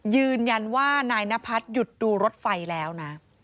ยืนยันว่านายนพัฒน์หยุดดูรถไฟแล้วนะ